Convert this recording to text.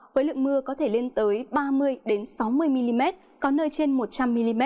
với lượng mưa có thể lên tới ba mươi sáu mươi mm có nơi trên một trăm linh mm